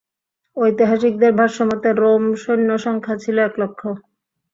ঐতিহাসিকদের ভাষ্যমতে রোম-সৈন্যসংখ্যা ছিল এক লক্ষ।